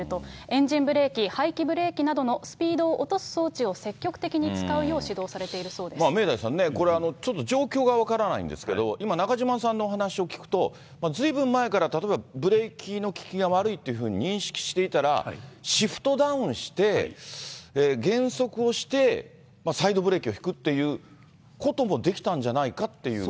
エンジンブレーキ、排気ブレーキなどのスピードを落とす装置を積極的に使うよう指導明大さんね、これ、ちょっと状況が分からないんですけど、今、中島さんのお話を聞くと、ずいぶん前から例えばブレーキの利きが悪いっていうふうに認識していたら、シフトダウンして、減速をして、サイドブレーキを引くっていうこともできたんじゃないかっていう。